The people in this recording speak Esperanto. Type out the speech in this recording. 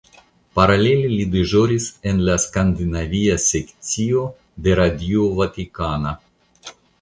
Paralele li deĵoris en la skandinavia sekcio de Radio Vatikana.